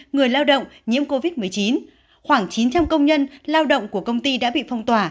người lao động nhiễm covid một mươi chín khoảng chín trăm linh công nhân lao động của công ty đã bị phong tỏa